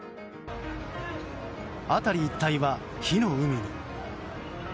辺り一帯は火の海に。